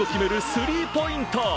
スリーポイント。